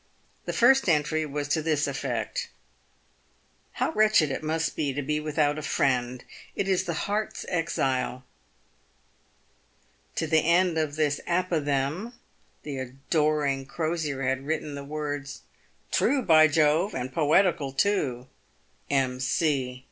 The first entry was to this effect :" How wretched it must be to be without a friend ! It is the heart's exile." To the end of this apothegm the adoring Crosier had added the words :" True, by Jove ! and poetical, too. — M. C."